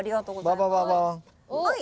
ババババン。